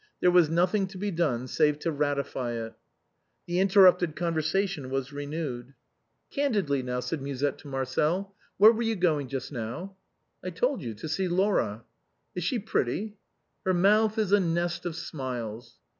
There was nothing to be done save to ratify it. The interrupted conversation was renewed. " Candidly, now," said Musette to Marcel, " where were you going just now ?"" I told you, to see Laura." "Is she pretty?" " Her mouth is a nest of smiles."